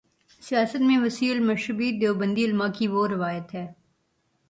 سیاست میں وسیع المشربی دیوبندی علما کی وہ روایت ہے۔